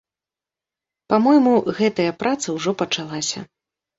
Па-мойму, гэтая праца ўжо пачалася.